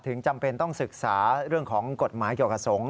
จำเป็นต้องศึกษาเรื่องของกฎหมายเกี่ยวกับสงฆ